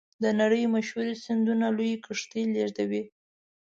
د نړۍ مشهورې سیندونه لویې کښتۍ لیږدوي.